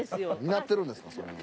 担ってるんですからそれも。